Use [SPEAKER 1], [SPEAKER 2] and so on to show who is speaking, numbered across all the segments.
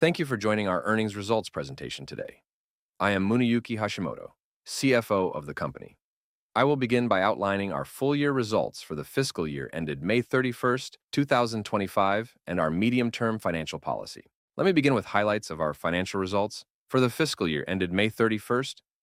[SPEAKER 1] Thank you for joining our earnings results presentation today. I am Muneyuki Hashimoto, CFO of the company. I will begin by outlining our full-year results for the fiscal year ended May 31, 2025, and our medium-term financial policy. Let me begin with highlights of our financial results for the fiscal year ended May 31,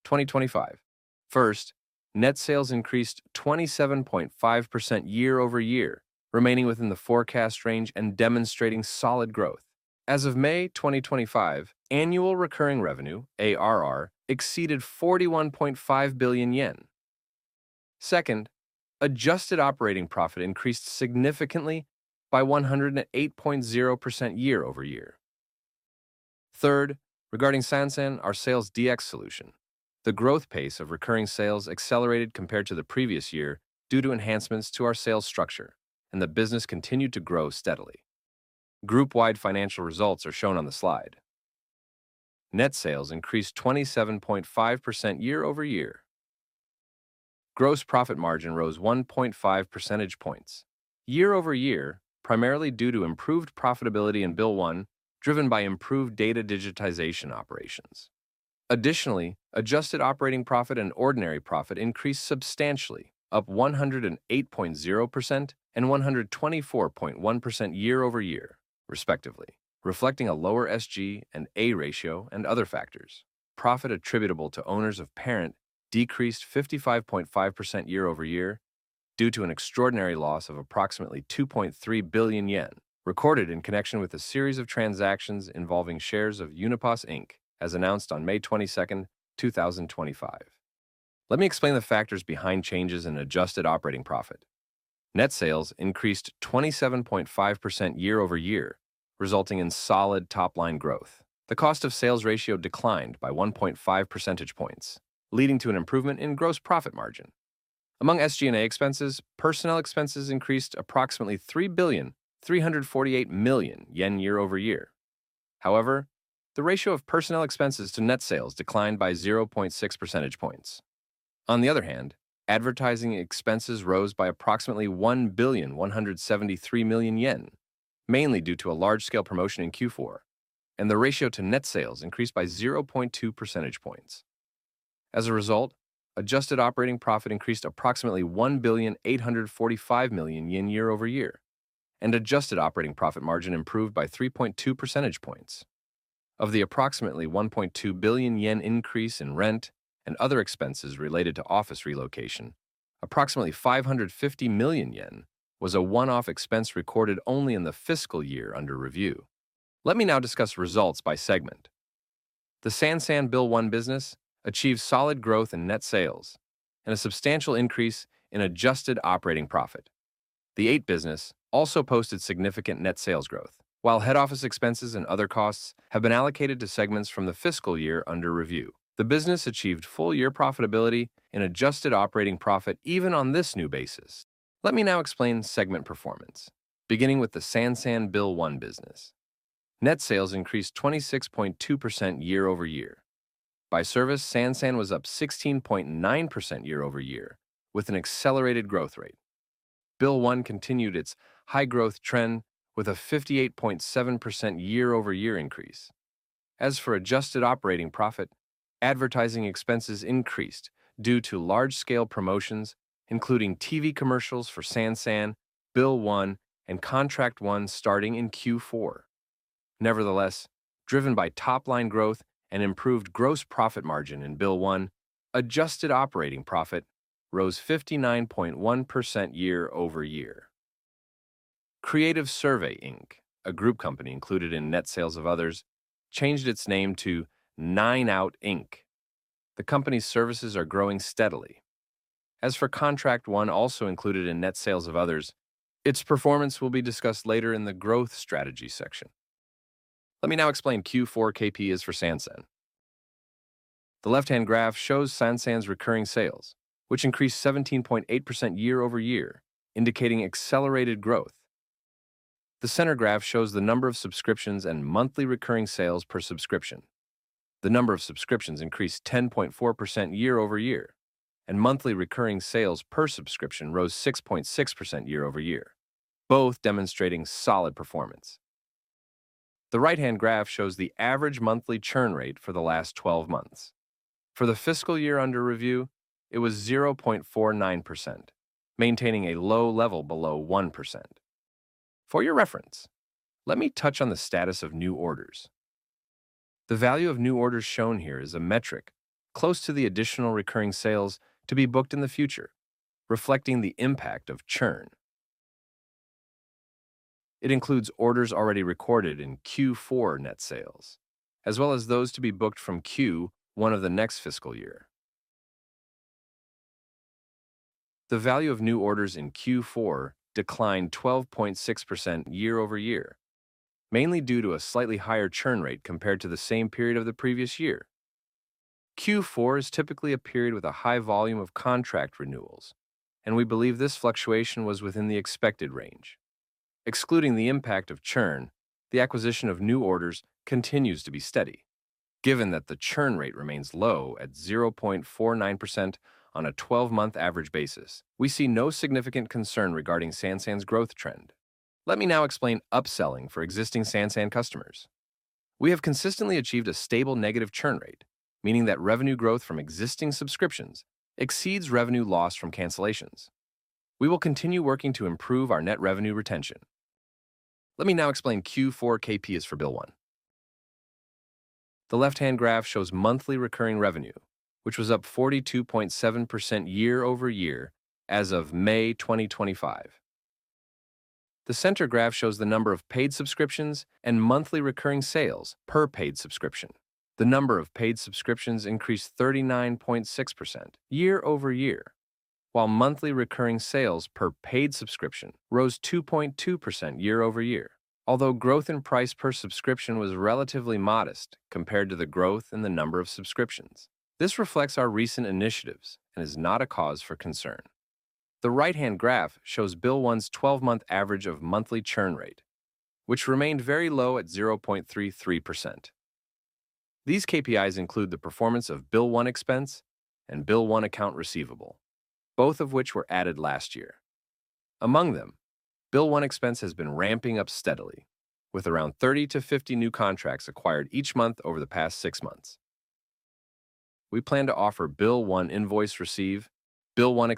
[SPEAKER 1] 2025. First, net sales increased 27.5% year-over-year, remaining within the forecast range and demonstrating solid growth. As of May 2025, annual recurring revenue (ARR) exceeded ¥41.5 billion. Second, adjusted operating profit increased significantly by 108.0% year-over-year. Third, regarding Sansan, our sales DX solution, the growth pace of recurring sales accelerated compared to the previous year due to enhancements to our sales structure, and the business continued to grow steadily. Group-wide financial results are shown on the slide. Net sales increased 27.5% year-over-year. Gross profit margin rose 1.5 percentage points year-over-year, primarily due to improved profitability in Bill One, driven by improved data digitization operations. Additionally, adjusted operating profit and ordinary profit increased substantially, up 108.0% and 124.1% year-over-year, respectively, reflecting a lower SG&A ratio and other factors. Profit attributable to owners of parent decreased 55.5% year-over-year due to an extraordinary loss of approximately ¥2.3 billion, recorded in connection with a series of transactions involving shares of Unipos Inc as announced on May 22, 2025. Let me explain the factors behind changes in adjusted operating profit. Net sales increased 27.5% year-over-year, resulting in solid top-line growth. The cost of sales ratio declined by 1.5 percentage points, leading to an improvement in gross profit margin. Among SG&A expenses, personnel expenses increased approximately ¥3.348 million year-over-year. However, the ratio of personnel expenses to net sales declined by 0.6 percentage points. On the other hand, advertising expenses rose by approximately ¥1.173 million, mainly due to a large-scale promotion in Q4, and the ratio to net sales increased by 0.2 percentage points. As a result, adjusted operating profit increased approximately ¥1.845 million year-over-year, and adjusted operating profit margin improved by 3.2 percentage points. Of the approximately ¥1.2 billion increase in rent and other expenses related to office relocation, approximately ¥550 million was a one-off expense recorded only in the fiscal year under review. Let me now discuss results by segment. The Sansan Bill One business achieved solid growth in net sales and a substantial increase in adjusted operating profit. The Eight business also posted significant net sales growth, while head office expenses and other costs have been allocated to segments from the fiscal year under review. The business achieved full-year profitability and adjusted operating profit even on this new basis. Let me now explain segment performance, beginning with the Sansan Bill One business. Net sales increased 26.2% year-over-year. By service, Sansan was up 16.9% year-over-year, with an accelerated growth rate. Bill One continued its high-growth trend with a 58.7% year-over-year increase. As for adjusted operating profit, advertising expenses increased due to large-scale promotions, including TV commercials for Sansan, Bill One, and Contract One starting in Q4. Nevertheless, driven by top-line growth and improved gross profit margin in Bill One, adjusted operating profit rose 59.1% year-over-year. Creative Survey Inc, a group company included in net sales of others, changed its name to 9out. The company's services are growing steadily. As for Contract One, also included in net sales of others, its performance will be discussed later in the growth strategy section. Let me now explain Q4 KPIs for Sansan. The left-hand graph shows Sansan's recurring sales, which increased 17.8% year-over-year, indicating accelerated growth. The center graph shows the number of subscriptions and monthly recurring sales per subscription. The number of subscriptions increased 10.4% year-over-year, and monthly recurring sales per subscription rose 6.6% year-over-year, both demonstrating solid performance. The right-hand graph shows the average monthly churn rate for the last 12 months. For the fiscal year under review, it was 0.49%, maintaining a low level below 1%. For your reference, let me touch on the status of new orders. The value of new orders shown here is a metric close to the additional recurring sales to be booked in the future, reflecting the impact of churn. It includes orders already recorded in Q4 net sales, as well as those to be booked from Q1 of the next fiscal year. The value of new orders in Q4 declined 12.6% year-over-year, mainly due to a slightly higher churn rate compared to the same period of the previous year. Q4 is typically a period with a high volume of contract renewals, and we believe this fluctuation was within the expected range. Excluding the impact of churn, the acquisition of new orders continues to be steady. Given that the churn rate remains low at 0.49% on a 12-month average basis, we see no significant concern regarding Sansan's growth trend. Let me now explain upselling for existing Sansan customers. We have consistently achieved a stable negative churn rate, meaning that revenue growth from existing subscriptions exceeds revenue loss from cancellations. We will continue working to improve our net revenue retention. Let me now explain Q4 KPIs for Bill One. The left-hand graph shows monthly recurring revenue, which was up 42.7% year-over-year as of May 2025. The center graph shows the number of paid subscriptions and monthly recurring sales per paid subscription. The number of paid subscriptions increased 39.6% year-over-year, while monthly recurring sales per paid subscription rose 2.2% year-over-year. Although growth in price per subscription was relatively modest compared to the growth in the number of subscriptions, this reflects our recent initiatives and is not a cause for concern. The right-hand graph shows Bill One's 12-month average of monthly churn rate, which remained very low at 0.33%. These KPIs include the performance of Bill One expense and Bill One account receivable, both of which were added last year. Among them, Bill One expense has been ramping up steadily, with around 30-50 new contracts acquired each month over the past six months. We plan to offer Bill One invoice receive, Bill One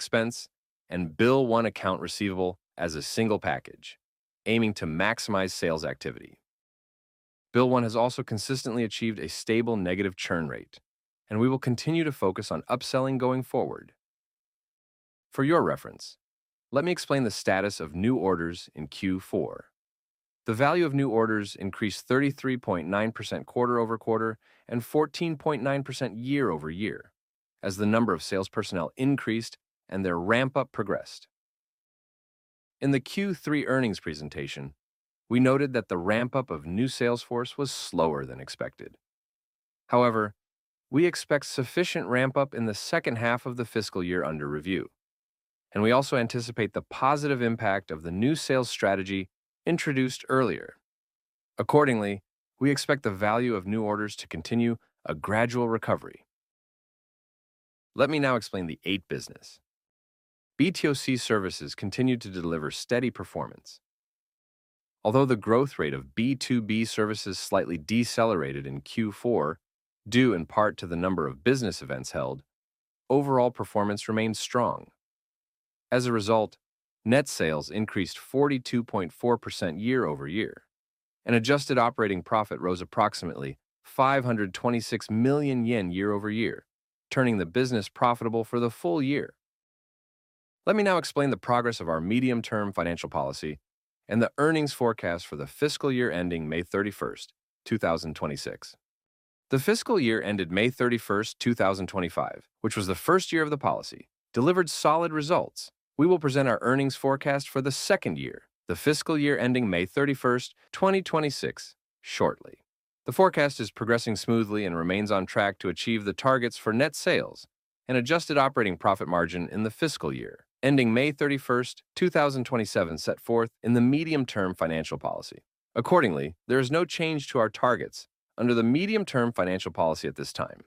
[SPEAKER 1] expense, and Bill One account receivable as a single package, aiming to maximize sales activity. Bill One has also consistently achieved a stable negative churn rate, and we will continue to focus on upselling going forward. For your reference, let me explain the status of new orders in Q4. The value of new orders increased 33.9% quarter-over-quarter and 14.9% year-over-year as the number of sales personnel increased and their ramp-up progressed. In the Q3 earnings presentation, we noted that the ramp-up of new sales force was slower than expected. However, we expect sufficient ramp-up in the second half of the fiscal year under review, and we also anticipate the positive impact of the new sales strategy introduced earlier. Accordingly, we expect the value of new orders to continue a gradual recovery. Let me now explain the 8 business. B2C services continued to deliver steady performance. Although the growth rate of B2B services slightly decelerated in Q4, due in part to the number of business events held, overall performance remained strong. As a result, net sales increased 42.4% year-over-year, and adjusted operating profit rose approximately ¥526 million year-over-year, turning the business profitable for the full year. Let me now explain the progress of our medium-term financial policy and the earnings forecast for the fiscal year ending May 31, 2026. The fiscal year ended May 31, 2025, which was the first year of the policy, delivered solid results. We will present our earnings forecast for the second year, the fiscal year ending May 31, 2026, shortly. The forecast is progressing smoothly and remains on track to achieve the targets for net sales and adjusted operating profit margin in the fiscal year ending May 31, 2027, set forth in the medium-term financial policy. Accordingly, there is no change to our targets under the medium-term financial policy at this time.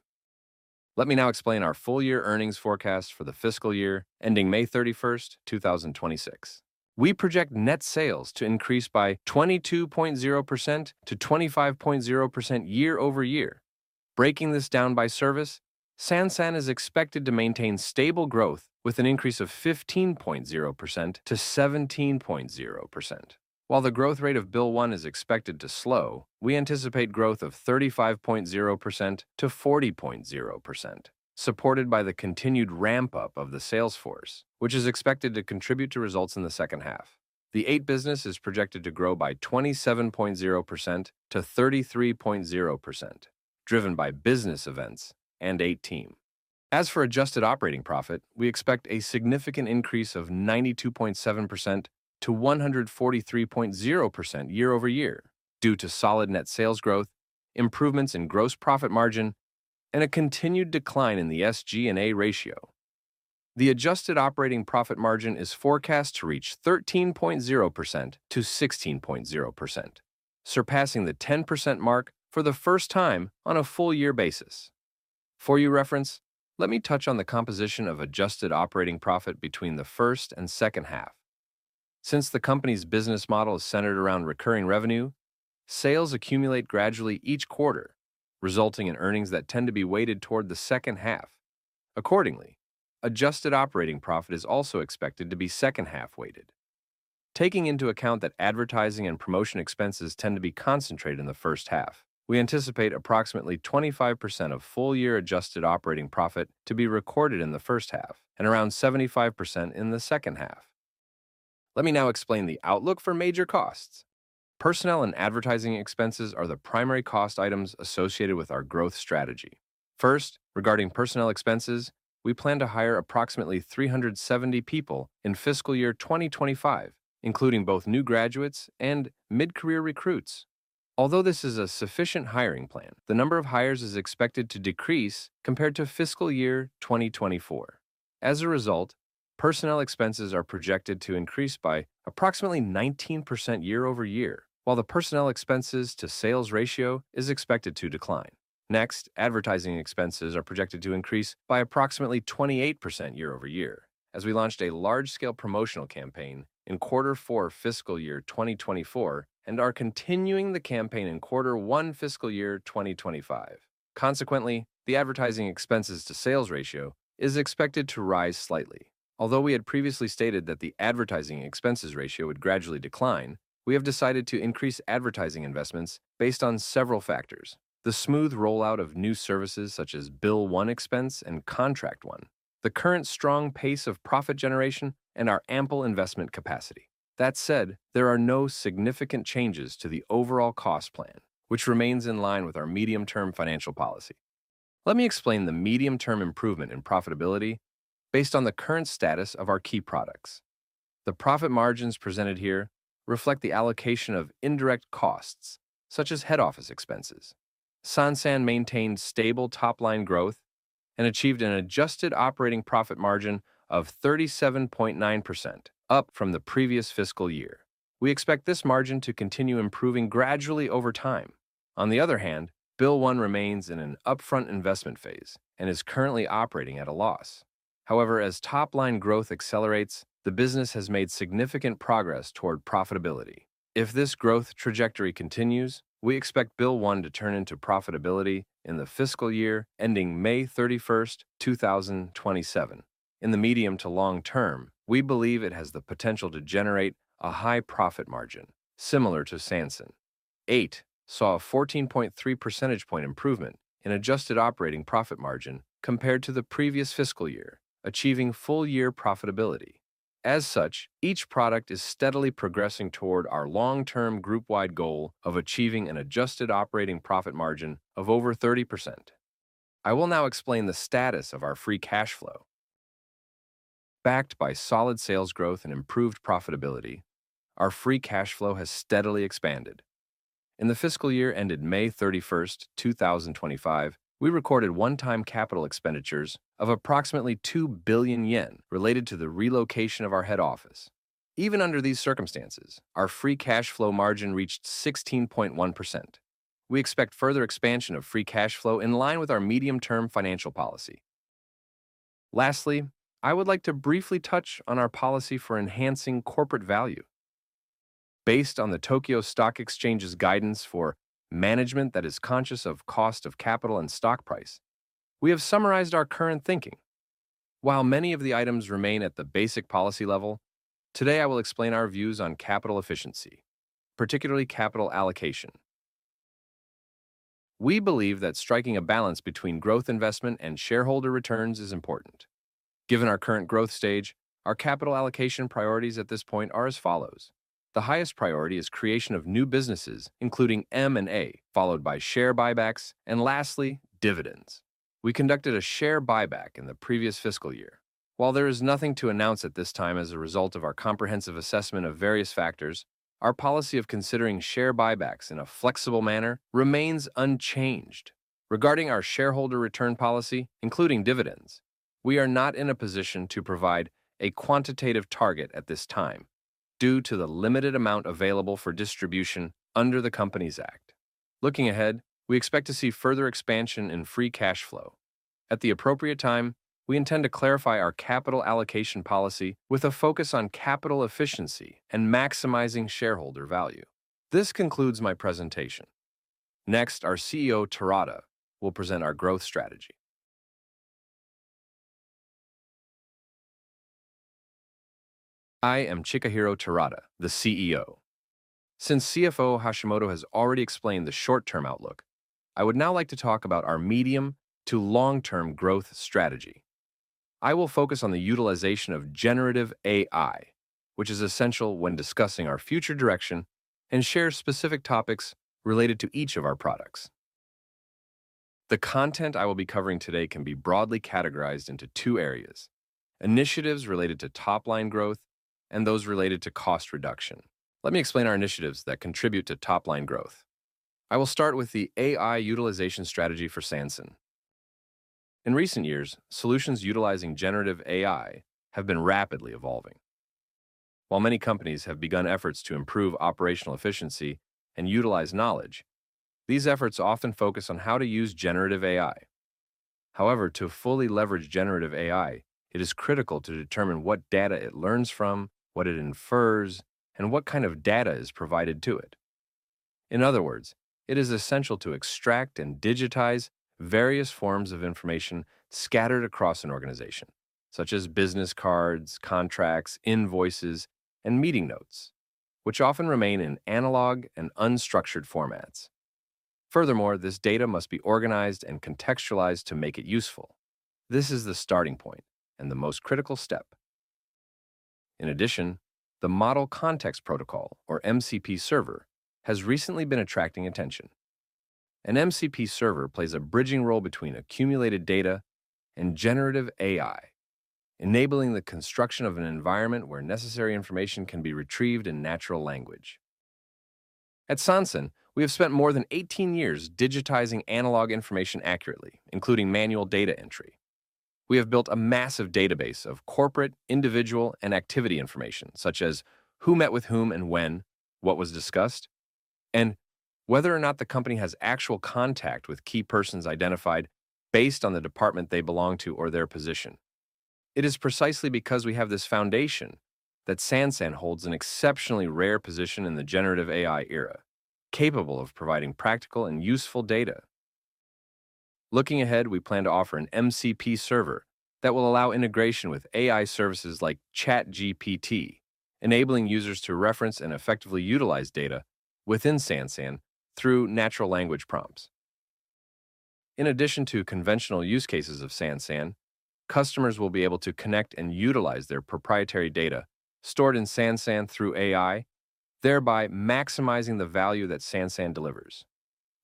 [SPEAKER 1] Let me now explain our full-year earnings forecast for the fiscal year ending May 31, 2026. We project net sales to increase by 22.0%-25.0% year-over-year. Breaking this down by service, Sansan is expected to maintain stable growth with an increase of 15.0%-17.0%. While the growth rate of Bill One is expected to slow, we anticipate growth of 35.0%-40.0%, supported by the continued ramp-up of the sales force, which is expected to contribute to results in the second half. The Eight business is projected to grow by 27.0%-33.0%, driven by business events and a team. As for adjusted operating profit, we expect a significant increase of 92.7%-143.0% year-over-year due to solid net sales growth, improvements in gross profit margin, and a continued decline in the SG&A ratio. The adjusted operating profit margin is forecast to reach 13.0%-16.0%, surpassing the 10% mark for the first time on a full-year basis. For your reference, let me touch on the composition of adjusted operating profit between the first and second half. Since the company's business model is centered around recurring revenue, sales accumulate gradually each quarter, resulting in earnings that tend to be weighted toward the second half. Accordingly, adjusted operating profit is also expected to be second-half weighted. Taking into account that advertising and promotion expenses tend to be concentrated in the first half, we anticipate approximately 25% of full-year adjusted operating profit to be recorded in the first half and around 75% in the second half. Let me now explain the outlook for major costs. Personnel and advertising expenses are the primary cost items associated with our growth strategy. First, regarding personnel expenses, we plan to hire approximately 370 people in fiscal year 2025, including both new graduates and mid-career recruits. Although this is a sufficient hiring plan, the number of hires is expected to decrease compared to fiscal year 2024. As a result, personnel expenses are projected to increase by approximately 19% year-over-year, while the personnel expenses to sales ratio is expected to decline. Next, advertising expenses are projected to increase by approximately 28% year-over-year, as we launched a large-scale promotional campaign in quarter 4 fiscal year 2024 and are continuing the campaign in quarter 1 fiscal year 2025. Consequently, the advertising expenses to sales ratio is expected to rise slightly. Although we had previously stated that the advertising expenses ratio would gradually decline, we have decided to increase advertising investments based on several factors: the smooth rollout of new services such as Bill One expense and Contract One, the current strong pace of profit generation, and our ample investment capacity. That said, there are no significant changes to the overall cost plan, which remains in line with our medium-term financial policy. Let me explain the medium-term improvement in profitability based on the current status of our key products. The profit margins presented here reflect the allocation of indirect costs, such as head office expenses. Sansan maintained stable top-line growth and achieved an adjusted operating profit margin of 37.9%, up from the previous fiscal year. We expect this margin to continue improving gradually over time. On the other hand, Bill One remains in an upfront investment phase and is currently operating at a loss. However, as top-line growth accelerates, the business has made significant progress toward profitability. If this growth trajectory continues, we expect Bill One to turn into profitability in the fiscal year ending May 31, 2027. In the medium to long term, we believe it has the potential to generate a high profit margin, similar to Sansan. It saw a 14.3% point improvement in adjusted operating profit margin compared to the previous fiscal year, achieving full-year profitability. As such, each product is steadily progressing toward our long-term group-wide goal of achieving an adjusted operating profit margin of over 30%. I will now explain the status of our free cash flow. Backed by solid sales growth and improved profitability, our free cash flow has steadily expanded. In the fiscal year ended May 31, 2025, we recorded one-time capital expenditures of approximately ¥2 billion related to the relocation of our head office. Even under these circumstances, our free cash flow margin reached 16.1%. We expect further expansion of free cash flow in line with our medium-term financial policy. Lastly, I would like to briefly touch on our policy for enhancing corporate value. Based on the Tokyo Stock Exchange's guidance for "management that is conscious of cost of capital and stock price," we have summarized our current thinking. While many of the items remain at the basic policy level, today I will explain our views on capital efficiency, particularly capital allocation. We believe that striking a balance between growth investment and shareholder returns is important. Given our current growth stage, our capital allocation priorities at this point are as follows: the highest priority is creation of new businesses, including M&A, followed by share buybacks, and lastly, dividends. We conducted a share buyback in the previous fiscal year. While there is nothing to announce at this time as a result of our comprehensive assessment of various factors, our policy of considering share buybacks in a flexible manner remains unchanged. Regarding our shareholder return policy, including dividends, we are not in a position to provide a quantitative target at this time due to the limited amount available for distribution under the Companies Act. Looking ahead, we expect to see further expansion in free cash flow. At the appropriate time, we intend to clarify our capital allocation policy with a focus on capital efficiency and maximizing shareholder value. This concludes my presentation. Next, our CEO, Terada, will present our growth strategy.
[SPEAKER 2] I am Chikahiro Terada, the CEO. Since CFO Hashimoto has already explained the short-term outlook, I would now like to talk about our medium to long-term growth strategy. I will focus on the utilization of generative AI, which is essential when discussing our future direction, and share specific topics related to each of our products. The content I will be covering today can be broadly categorized into two areas: initiatives related to top-line growth and those related to cost reduction. Let me explain our initiatives that contribute to top-line growth. I will start with the AI utilization strategy for Sansan. In recent years, solutions utilizing generative AI have been rapidly evolving. While many companies have begun efforts to improve operational efficiency and utilize knowledge, these efforts often focus on how to use generative AI. However, to fully leverage generative AI, it is critical to determine what data it learns from, what it infers, and what kind of data is provided to it. In other words, it is essential to extract and digitize various forms of information scattered across an organization, such as business cards, contracts, invoices, and meeting notes, which often remain in analog and unstructured formats. Furthermore, this data must be organized and contextualized to make it useful. This is the starting point and the most critical step. In addition, the Model Context Protocol, or MCP server, has recently been attracting attention. An MCP server plays a bridging role between accumulated data and generative AI, enabling the construction of an environment where necessary information can be retrieved in natural language. At Sansan, we have spent more than 18 years digitizing analog information accurately, including manual data entry. We have built a massive database of corporate, individual, and activity information, such as who met with whom and when, what was discussed, and whether or not the company has actual contact with key persons identified based on the department they belong to or their position. It is precisely because we have this foundation that Sansan holds an exceptionally rare position in the generative AI era, capable of providing practical and useful data. Looking ahead, we plan to offer an MCP server that will allow integration with AI services like ChatGPT, enabling users to reference and effectively utilize data within Sansan through natural language prompts. In addition to conventional use cases of Sansan, customers will be able to connect and utilize their proprietary data stored in Sansan through AI, thereby maximizing the value that Sansan delivers.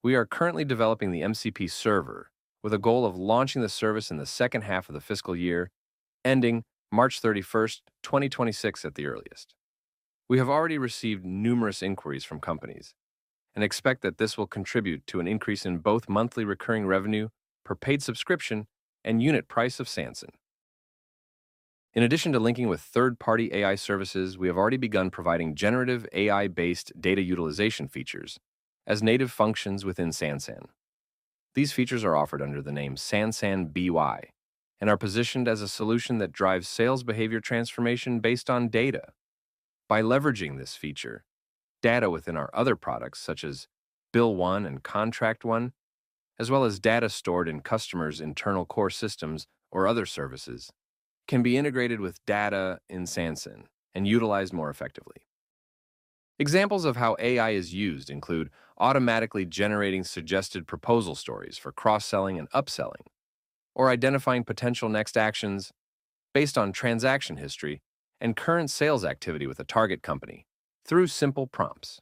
[SPEAKER 2] We are currently developing the MCP server with a goal of launching the service in the second half of the fiscal year, ending March 31, 2026, at the earliest. We have already received numerous inquiries from companies and expect that this will contribute to an increase in both monthly recurring revenue per paid subscription and unit price of Sansan. In addition to linking with third-party AI services, we have already begun providing generative AI-based data utilization features as native functions within Sansan. These features are offered under the name Sansan BY and are positioned as a solution that drives sales behavior transformation based on data. By leveraging this feature, data within our other products, such as Bill One and Contract One, as well as data stored in customers' internal core systems or other services, can be integrated with data in Sansan and utilized more effectively. Examples of how AI is used include automatically generating suggested proposal stories for cross-selling and upselling, or identifying potential next actions based on transaction history and current sales activity with a target company through simple prompts.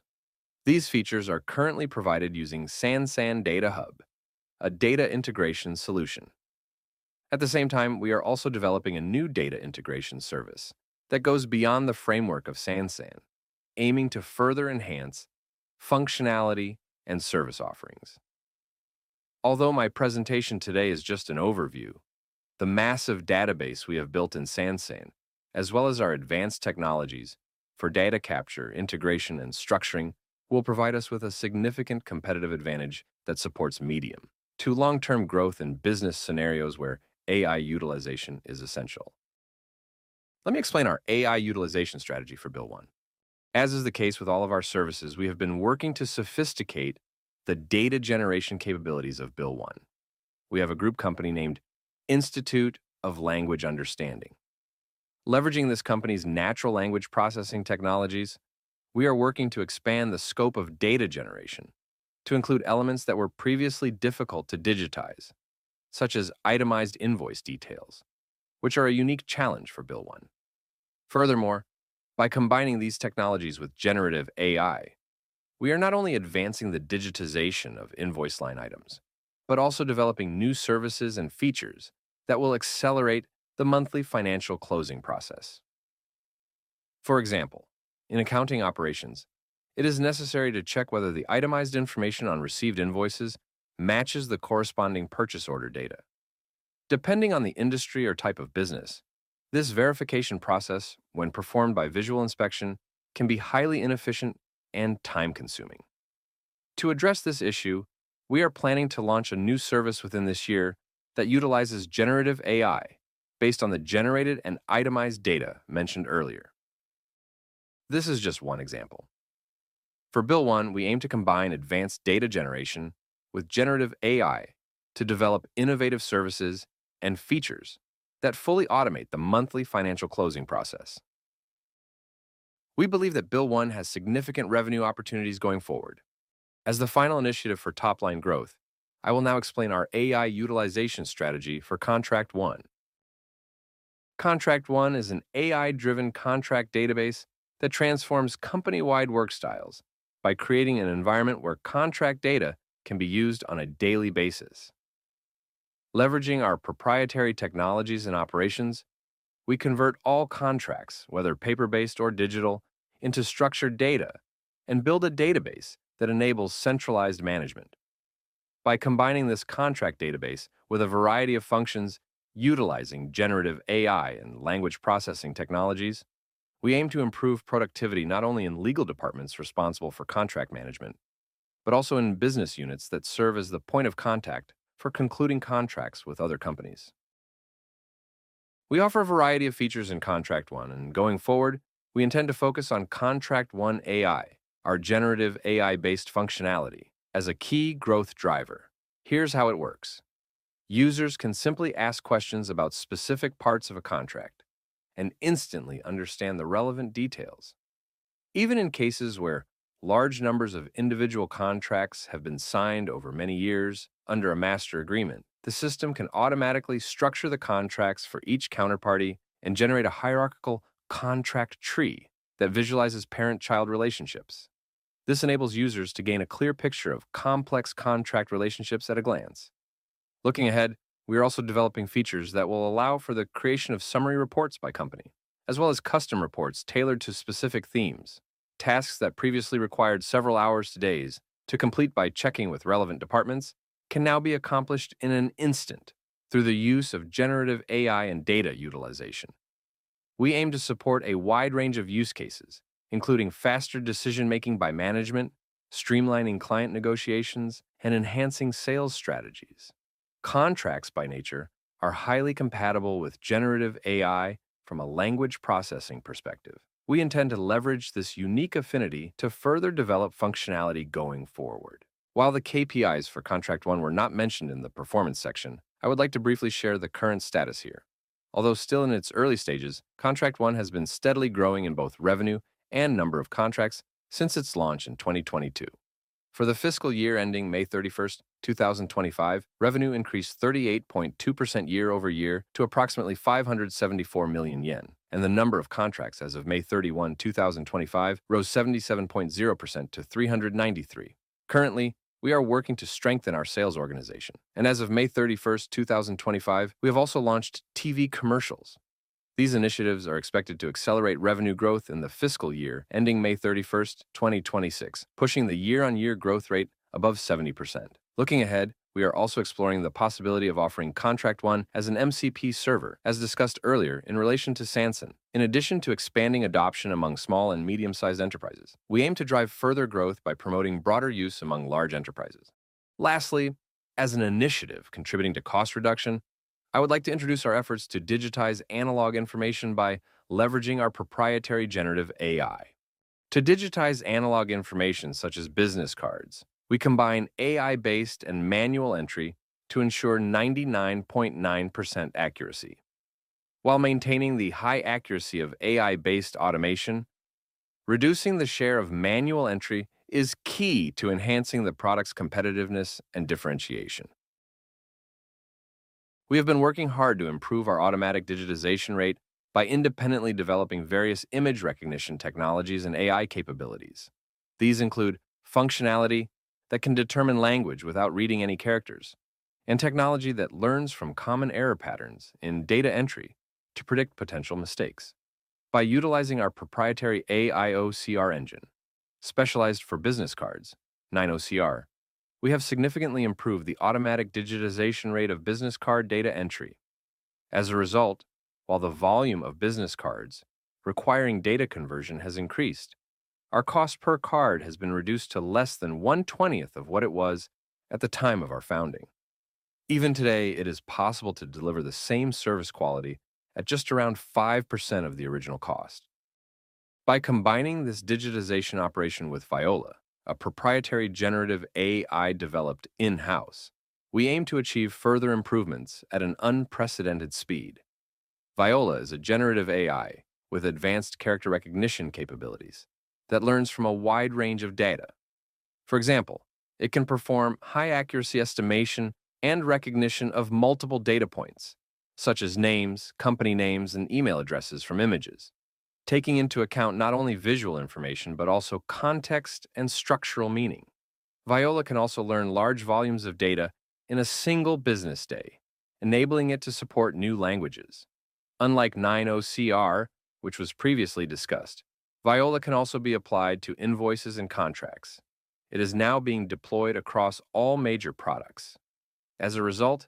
[SPEAKER 2] These features are currently provided using Sansan Data Hub, a data integration solution. At the same time, we are also developing a new data integration service that goes beyond the framework of Sansan, aiming to further enhance functionality and service offerings. Although my presentation today is just an overview, the massive database we have built in Sansan, as well as our advanced technologies for data capture, integration, and structuring, will provide us with a significant competitive advantage that supports medium to long-term growth in business scenarios where AI utilization is essential. Let me explain our AI utilization strategy for Bill One. As is the case with all of our services, we have been working to sophisticate the data generation capabilities of Bill One. We have a group company named Institute of Language Understanding. Leveraging this company's natural language processing technologies, we are working to expand the scope of data generation to include elements that were previously difficult to digitize, such as itemized invoice details, which are a unique challenge for Bill One. Furthermore, by combining these technologies with generative AI, we are not only advancing the digitization of invoice line items but also developing new services and features that will accelerate the monthly financial closing process. For example, in accounting operations, it is necessary to check whether the itemized information on received invoices matches the corresponding purchase order data. Depending on the industry or type of business, this verification process, when performed by visual inspection, can be highly inefficient and time-consuming. To address this issue, we are planning to launch a new service within this year that utilizes generative AI based on the generated and itemized data mentioned earlier. This is just one example. For Bill One, we aim to combine advanced data generation with generative AI to develop innovative services and features that fully automate the monthly financial closing process. We believe that Bill One has significant revenue opportunities going forward. As the final initiative for top-line growth, I will now explain our AI utilization strategy for Contract One. Contract One is an AI-driven contract database that transforms company-wide work styles by creating an environment where contract data can be used on a daily basis. Leveraging our proprietary technologies and operations, we convert all contracts, whether paper-based or digital, into structured data and build a database that enables centralized management. By combining this contract database with a variety of functions utilizing generative AI and language processing technologies, we aim to improve productivity not only in legal departments responsible for contract management but also in business units that serve as the point of contact for concluding contracts with other companies. We offer a variety of features in Contract One, and going forward, we intend to focus on Contract One AI, our generative AI-based functionality, as a key growth driver. Here's how it works: users can simply ask questions about specific parts of a contract and instantly understand the relevant details. Even in cases where large numbers of individual contracts have been signed over many years under a master agreement, the system can automatically structure the contracts for each counterparty and generate a hierarchical contract tree that visualizes parent-child relationships. This enables users to gain a clear picture of complex contract relationships at a glance. Looking ahead, we are also developing features that will allow for the creation of summary reports by company, as well as custom reports tailored to specific themes. Tasks that previously required several hours to days to complete by checking with relevant departments can now be accomplished in an instant through the use of generative AI and data utilization. We aim to support a wide range of use cases, including faster decision-making by management, streamlining client negotiations, and enhancing sales strategies. Contracts by nature are highly compatible with generative AI from a language processing perspective. We intend to leverage this unique affinity to further develop functionality going forward. While the KPIs for Contract One were not mentioned in the performance section, I would like to briefly share the current status here. Although still in its early stages, Contract One has been steadily growing in both revenue and number of contracts since its launch in 2022. For the fiscal year ending May 31, 2025, revenue increased 38.2% year-over-year to approximately ¥574 million, and the number of contracts as of May 31, 2025 rose 77.0% to ¥393 million. Currently, we are working to strengthen our sales organization, and as of May 31, 2025, we have also launched TV commercials. These initiatives are expected to accelerate revenue growth in the fiscal year ending May 31, 2026, pushing the year-on-year growth rate above 70%. Looking ahead, we are also exploring the possibility of offering Contract One as an MCP server, as discussed earlier, in relation to Sansan. In addition to expanding adoption among small and medium-sized enterprises, we aim to drive further growth by promoting broader use among large enterprises. Lastly, as an initiative contributing to cost reduction, I would like to introduce our efforts to digitize analog information by leveraging our proprietary generative AI. To digitize analog information such as business cards, we combine AI-based and manual entry to ensure 99.9% accuracy. While maintaining the high accuracy of AI-based automation, reducing the share of manual entry is key to enhancing the product's competitiveness and differentiation. We have been working hard to improve our automatic digitization rate by independently developing various image recognition technologies and AI capabilities. These include functionality that can determine language without reading any characters, and technology that learns from common error patterns in data entry to predict potential mistakes. By utilizing our proprietary AI OCR engine, specialized for business cards, NineOCR, we have significantly improved the automatic digitization rate of business card data entry. As a result, while the volume of business cards requiring data conversion has increased, our cost per card has been reduced to less than 1/20 of what it was at the time of our founding. Even today, it is possible to deliver the same service quality at just around 5% of the original cost. By combining this digitization operation with Viola, a proprietary generative AI developed in-house, we aim to achieve further improvements at an unprecedented speed. Viola is a generative AI with advanced character recognition capabilities that learns from a wide range of data. For example, it can perform high-accuracy estimation and recognition of multiple data points, such as names, company names, and email addresses from images, taking into account not only visual information but also context and structural meaning. Viola can also learn large volumes of data in a single business day, enabling it to support new languages. Unlike NineOCR, which was previously discussed, Viola can also be applied to invoices and contracts. It is now being deployed across all major products. As a result,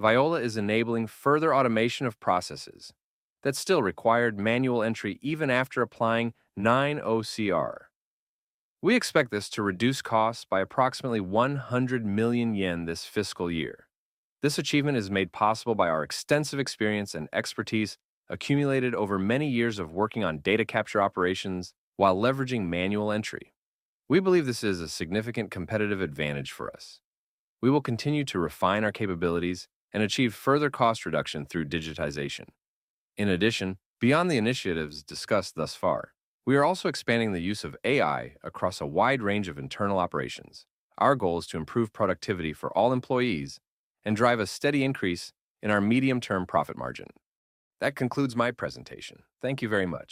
[SPEAKER 2] Viola is enabling further automation of processes that still required manual entry even after applying NineOCR. We expect this to reduce costs by approximately ¥100 million this fiscal year. This achievement is made possible by our extensive experience and expertise accumulated over many years of working on data capture operations while leveraging manual entry. We believe this is a significant competitive advantage for us. We will continue to refine our capabilities and achieve further cost reduction through digitization. In addition, beyond the initiatives discussed thus far, we are also expanding the use of AI across a wide range of internal operations. Our goal is to improve productivity for all employees and drive a steady increase in our medium-term profit margin. That concludes my presentation. Thank you very much.